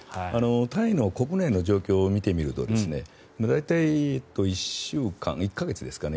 タイの国内の状況を見てみると大体１週間１か月ですかね